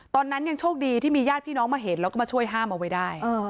ตอนนั้นยังโชคดีที่มีญาติพี่น้องมาเห็นแล้วก็มาช่วยห้ามเอาไว้ได้